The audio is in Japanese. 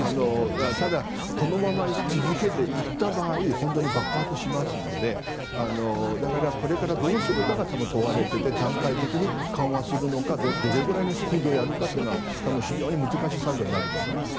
ただ、このまま続けた場合本当に爆発するのでだから、これからどうするかが問われていて段階的に緩和するのかどれぐらいのスピードをやるかは非常に難しい作業になると思います。